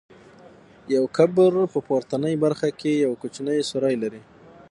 یو قبر په پورتنۍ برخه کې یو کوچنی سوری لري.